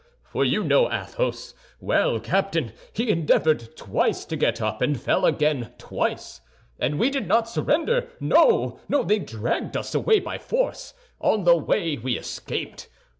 For you know Athos. Well, Captain, he endeavored twice to get up, and fell again twice. And we did not surrender—no! They dragged us away by force. On the way we escaped.